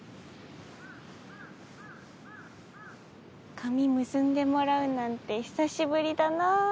髪結んでもらうなんて久しぶりだな。